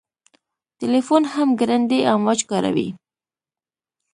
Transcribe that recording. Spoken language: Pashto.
تلیفون هم ګړندي امواج کاروي.